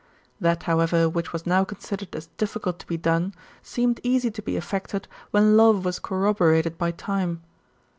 That, however, which was now considered as difficult to be done, seemed easy to be effected, when love was corroborated by time.